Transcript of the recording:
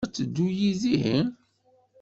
Ad teddu yid-i?